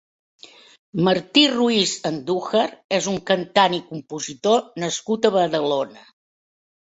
Martí Ruiz Andújar és un cantant i compositor nascut a Badalona.